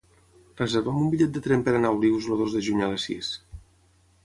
Reserva'm un bitllet de tren per anar a Olius el dos de juny a les sis.